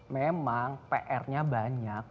memang pr nya banyak